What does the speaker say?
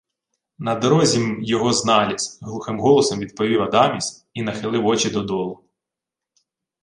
— На дорозі-м його зналіз, — глухим голосом відповів Адаміс і нахилив очі додолу.